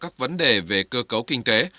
các vấn đề về cơ cấu kinh tế